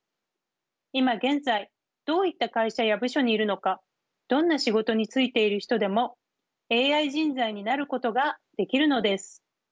今現在どういった会社や部署にいるのかどんな仕事に就いている人でもＡＩ人材になることができるのです。